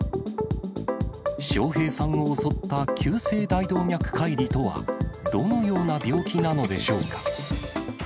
笑瓶さんを襲った急性大動脈解離とはどのような病気なのでしょうか。